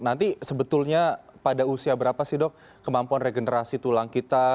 nanti sebetulnya pada usia berapa sih dok kemampuan regenerasi tulang kita